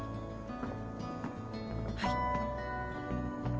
はい。